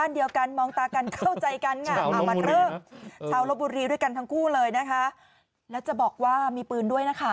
ด้วยกันทั้งคู่เลยนะคะแล้วจะบอกว่ามีปืนด้วยนะคะ